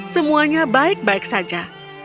semuanya baik baik saja